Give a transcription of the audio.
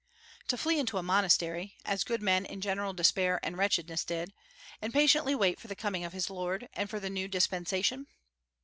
To flee into a monastery, as good men in general despair and wretchedness did, and patiently wait for the coming of his Lord, and for the new dispensation?